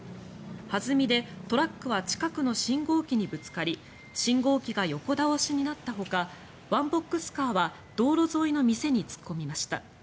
弾みでトラックは近くの信号機にぶつかり信号機が横倒しになったほかワンボックスカーは道路沿いの店に突っ込みました。